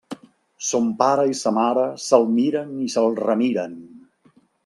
Son pare i sa mare se'l miren i se'l remiren.